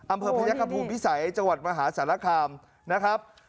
อำเภอพระยกภูมิวิสัยจังหวัดมหาศาลคามนะครับ